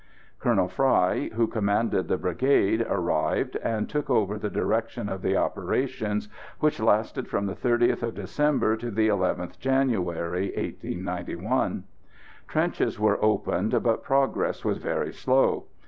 Colonel Frey, who commanded the brigade, arrived, and took over the direction of the operations, which lasted from the 30th December to the 11th January, 1891. Trenches were opened, but progress was very slow.